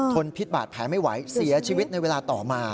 พิษบาดแผลไม่ไหวเสียชีวิตในเวลาต่อมา